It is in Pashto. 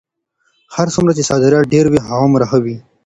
هر څومره چې صادرات ډېر وي هغومره ښه ده.